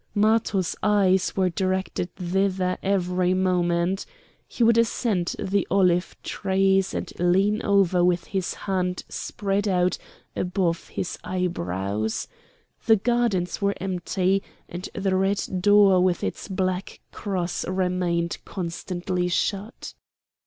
Matho's eyes were directed thither every moment. He would ascend the olive trees and lean over with his hand spread out above his eyebrows. The gardens were empty, and the red door with its black cross remained constantly shut.